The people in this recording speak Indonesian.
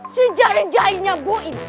sejari jari nya buem